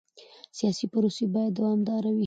سیاسي پروسې باید دوامداره وي